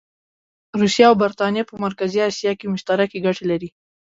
روسیه او برټانیه په مرکزي اسیا کې مشترکې ګټې لري.